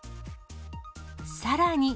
さらに。